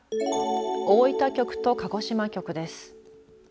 大分局と鹿児島局です。